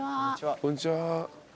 こんにちは。